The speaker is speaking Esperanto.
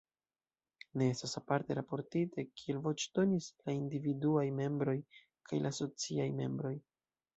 Ne estas aparte raportite, kiel voĉdonis la individuaj membroj kaj la asociaj membroj.